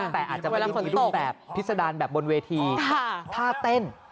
แต่อาจจะมีอีกรุ่นแบบพิสดารแบบบนเวทีท่าเต้น